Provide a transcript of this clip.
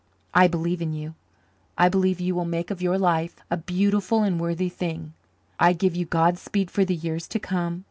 I believe in you. I believe you will make of your life a beautiful and worthy thing. I give you Godspeed for the years to come.